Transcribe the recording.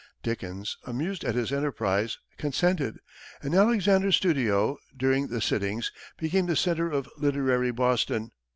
Dickens, amused at his enterprise, consented, and Alexander's studio, during the sittings, became the centre of literary Boston.